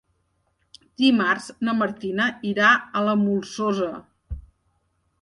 Dimarts na Martina irà a la Molsosa.